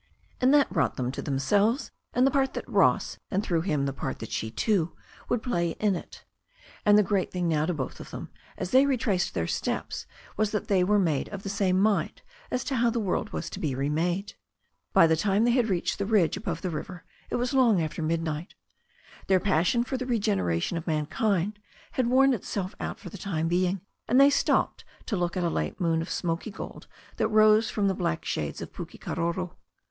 And that brought them to themselves and the part that Ross, and through him the part that she, too, would play in it. And the great thing now to both of them, as they retraced their steps, was that they were of the same mind as to how the world was to be remade. Bj Ac time they had reached the ridge above the river THE STORY OF A NEW ZEALAND RIVER 323 it was long after midnight. Their passion for the regenera tion of mankind had worn itself out for the time being, and they stopped to look at a late moon of smoky gold that rose from the black shades of Pukekaroro.